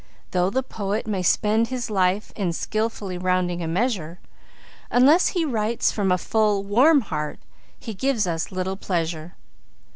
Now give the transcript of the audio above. Though the poet may spend his life in skilfully rounding a measure, Unless he writes from a full, warm heart he gives us little pleasure.